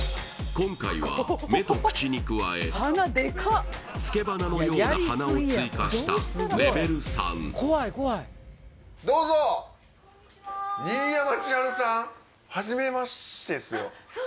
今回は目と口に加え付け鼻のような鼻を追加したどうぞ新山千春さんこんにちは初めましてですよあっ